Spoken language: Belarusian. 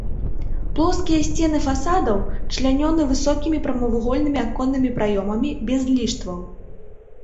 Плоскія сцены фасадаў члянёны высокімі прамавугольнымі аконнымі праёмамі без ліштваў.